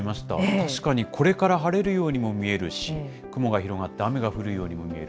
確かにこれから晴れるようにも見えるし、雲が広がって雨が降るようにも見える。